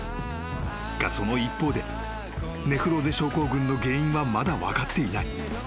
［がその一方でネフローゼ症候群の原因はまだ分かっていない］